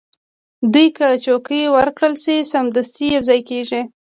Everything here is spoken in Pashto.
دوی که څوکۍ ورکړل شي، سمدستي یو ځای کېږي.